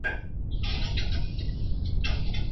یو څه خړه یو څه توره نوره سپینه